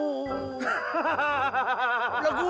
tunggak si agan